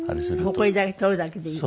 ホコリだけ取るだけでいい。